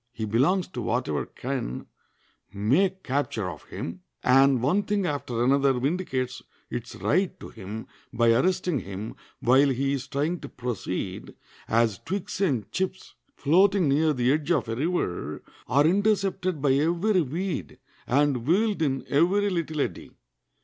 He belongs to whatever can make capture of him; and one thing after another vindicates its right to him by arresting him while he is trying to proceed, as twigs and chips floating near the edge of a river are intercepted by every weed, and whirled in every little eddy.